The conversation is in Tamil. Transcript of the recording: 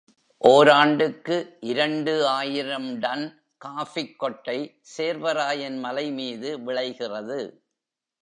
ஓராண்டுக்கு இரண்டு ஆயிரம் டன் காஃபிக் கொட்டை சேர்வராயன் மலைமீது விளைகிறது.